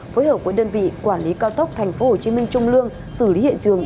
phối hợp với đơn vị quản lý cao tốc tp hcm trung lương xử lý hiện trường